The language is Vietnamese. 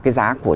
cái giá của